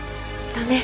だね。